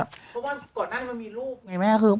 เพราะว่าก่อนหน้านี้มันมีลูกไงแม่คือ